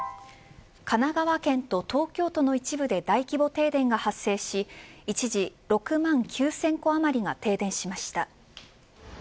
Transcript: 神奈川県と東京都の一部で大規模停電が発生し一時６万９０００戸あまりが停電しました。